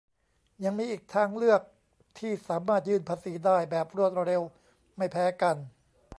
ยังมีอีกทางเลือกที่สามารถยื่นภาษีได้แบบรวดเร็วไม่แพ้กัน